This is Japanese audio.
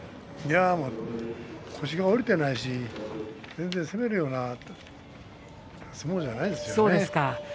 腰が下りていないし攻めるような相撲じゃないですよ。